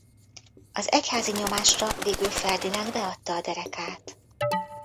Az egyházi nyomásra végül Ferdinánd beadta a derekát.